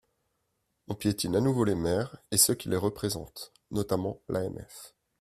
On piétine à nouveau les maires et ceux qui les représentent, notamment l’AMF.